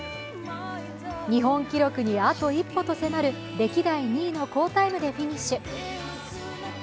日本記録にあと一歩と迫る歴代２位の好タイムでフィニッシュ。